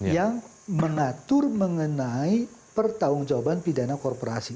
yang mengatur mengenai pertanggung jawaban pidana korporasi